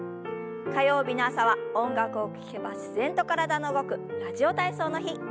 火曜日の朝は音楽を聞けば自然と体の動く「ラジオ体操」の日。